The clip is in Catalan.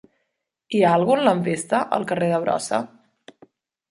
Hi ha algun lampista al carrer de Brossa?